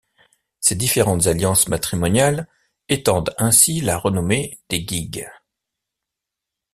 Ces différentes alliances matrimoniales étendent ainsi la renommée des Guigues.